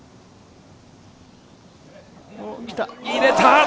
入れた！